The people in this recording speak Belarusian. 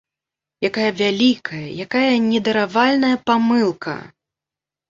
Якая вялікая, якая недаравальная памылка!